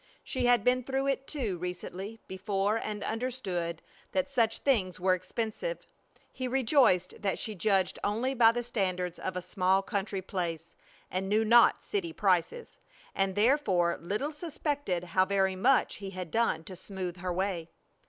She had been through it too recently before and understood that such things were expensive. He rejoiced that she judged only by the standards of a small country place, and knew not city prices, and therefore little suspected how very much he had done to smooth her way.